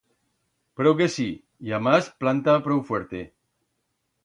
Prou que sí!, y amás planta prou fuerte.